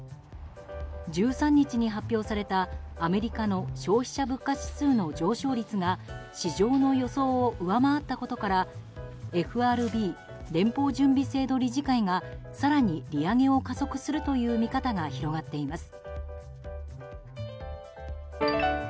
１３日に発表されたアメリカの消費者物価指数の上昇率が市場の予想を上回ったことからＦＲＢ・連邦準備制度理事会が更に利上げを加速するという見方が広がっています。